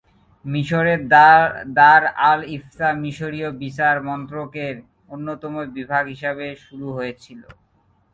মিশরের দার আল-ইফতা মিশরীয় বিচার মন্ত্রকের অন্যতম বিভাগ হিসাবে শুরু হয়েছিল।